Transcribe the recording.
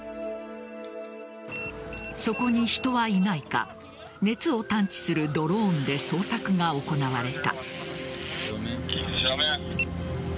そこに人はいないか熱を探知するドローンで捜索が行われた。